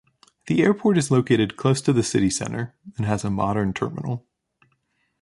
The airport is located close to the city centre and has a modern terminal.